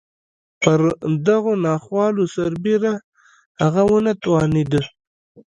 پر دغو ناخوالو سربېره هغه وتوانېده.